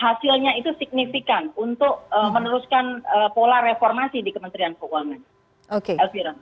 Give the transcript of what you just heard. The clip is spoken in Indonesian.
hasilnya itu signifikan untuk meneruskan pola reformasi di kementerian keuangan